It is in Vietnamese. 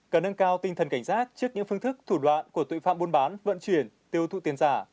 cần nâng cao tinh thần cảnh giác trước những phương thức thủ đoạn của tội phạm buôn bán vận chuyển tiêu thụ tiền giả